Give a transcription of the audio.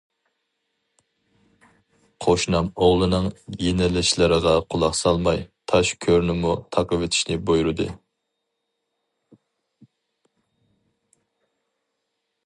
قوشنام ئوغلىنىڭ يېلىنىشلىرىغا قۇلاق سالماي، تاش گۆرنىمۇ تاقىۋېتىشنى بۇيرۇدى.